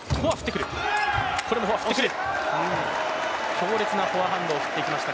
強烈なフォアハンドを振ってきました。